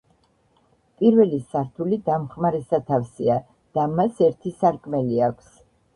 პირველი სართული დამხმარე სათავსია და მას ერთი სარკმელი აქვს.